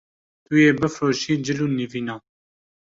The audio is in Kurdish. Tu yê bifroşî cil û nîvînan